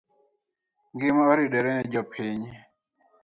Ngima oridore ne jopiny